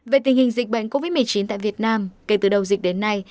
về tình hình dịch bệnh covid một mươi chín tại việt nam kể từ đầu dịch đến nay